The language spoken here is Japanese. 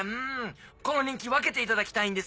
この人気分けていただきたいんですけども。